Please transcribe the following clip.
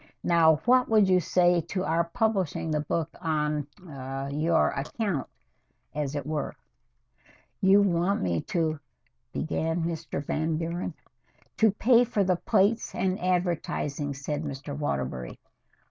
Now, what would you say to our publishing the book on ah on your account, as it were?" "You want me to " began Van Buren. "To pay for the plates and advertising," said Mr. Waterbury.